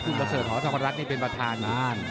คุณประเสริฐหอธรรมรัฐนี่เป็นประธาน